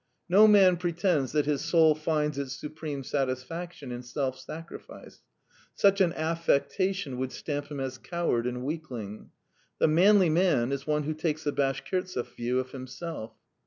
No man pretends that his soul finds its supreme satisfaction in self sacrifice: such an affectation would stamp him as coward and weakling: the manly man is he who takes the Bashkirtsefi view of himself.